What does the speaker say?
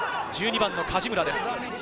１２番の梶村です。